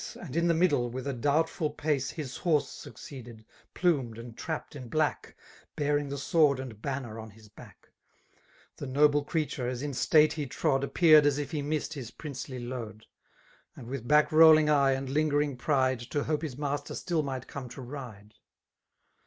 •» And Id tbm iOid^^ with a/doubtfuL puce, :/ His horse saooeeded^ plumed and trapped m bkwdi»' Bearing the sword and banner on his back : The noble creature, as in state he trod, . i Appeared as if he missed his princely load; And with back^rolUng eye and lingeitng pride. To hope his master still might come to ride.